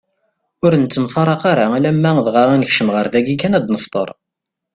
Ur nettemfraq ara alamm dɣa ad nekcem ɣer dagi kan ad nefteṛ.